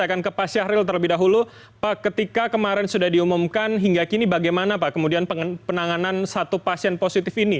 assalamualaikum selamat malam pak syahril